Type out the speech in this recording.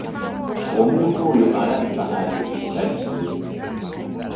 Omuntu oyo alabika aliko ekitali kirungi.